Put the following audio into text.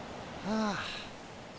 ああ。